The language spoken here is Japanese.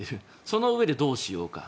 そのうえでどうしようか。